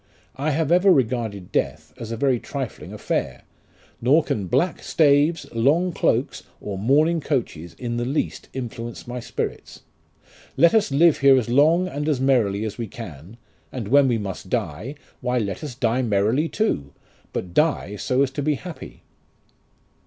I have ever regarded death as a very trifling affair, nor can black staves, long cloaks, or mourning coaches, in the least influence my spirits. Let us live here as long and as merrily as we can, and when we must die, why let us die merrily too, but die so as to be happy."